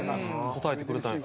答えてくれたんや。